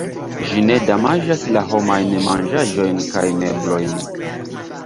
Ĝi ne damaĝas la homajn manĝaĵojn kaj meblojn.